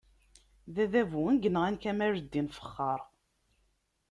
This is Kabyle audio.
D Adabu i yenɣan Kamal-ddin Fexxar.